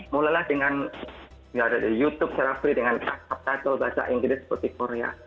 mulailah dengan youtube secara free dengan subtitle bahasa inggris seperti korea